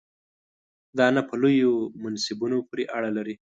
دا نه په لویو منصبونو پورې اړه لري.